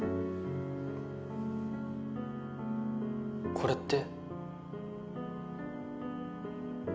これって。